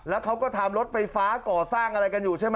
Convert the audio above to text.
แล้วเขาก็ทำรถไฟฟ้าก่อสร้างอะไรกันอยู่ใช่ไหม